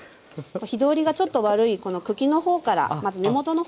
火通りがちょっと悪いこの茎の方からまず根元の方から入れて下さい。